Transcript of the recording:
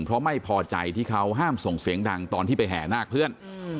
เพราะไม่พอใจที่เขาห้ามส่งเสียงดังตอนที่ไปแห่นาคเพื่อน